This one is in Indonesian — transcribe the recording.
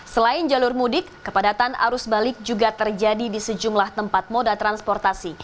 selain jalur mudik kepadatan arus balik juga terjadi di sejumlah tempat moda transportasi